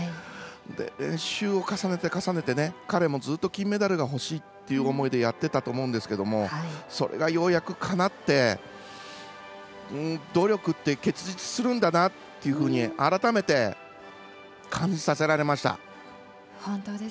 練習を重ねて、重ねて彼もずっと金メダルが欲しいっていう思いでやっていたと思うんですけどそれがようやくかなって努力って結実するんだなというふうに改めて感じさせられました。